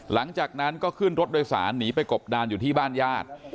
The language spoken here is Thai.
หลังจากนั้นก็ขึ้นรถโดยสารหนีไปกบดานอยู่ที่บ้านญาติ